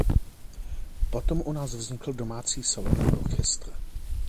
Potom u nás vznikl domácí salonní orchestr.